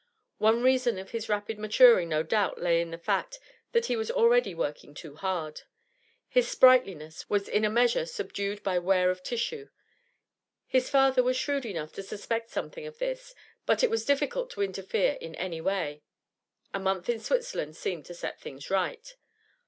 One reason of his rapid maturing no doubt lay in the fact that he was already working too hard; his sprightliness was in a measure subdued by wear of tissue. His father was shrewd enough to suspect something of this, but it was difficult to interfere in any way. A month in Switzerland seemed to set things right.